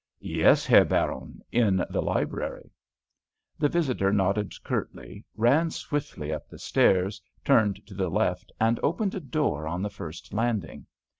"Yes, Herr Baron, in the library." The visitor nodded curtly, ran swiftly up the stairs, turned to the left, and opened a door on the first landing.